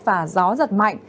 và gió giật mạnh